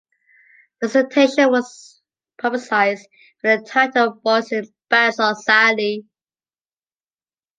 The dissertation was publicized with the title “boys in bad society”.